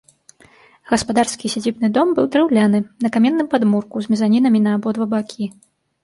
Гаспадарскі сядзібны дом быў драўляны, на каменным падмурку, з мезанінамі на абодва бакі.